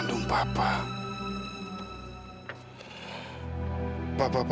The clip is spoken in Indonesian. dengar ya om